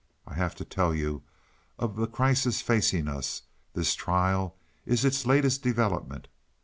I have to tell you of the crisis facing us; this trial is its latest development.